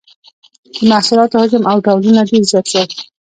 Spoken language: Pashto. د محصولاتو حجم او ډولونه ډیر زیات شول.